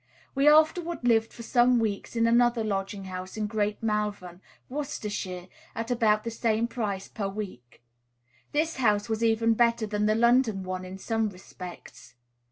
We afterward lived for some weeks in another lodging house in Great Malvern, Worcestershire, at about the same price per week. This house was even better than the London one in some respects.